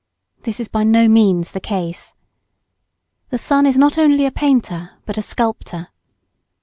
This is by no means the case. The sun is not only a painter but a sculptor.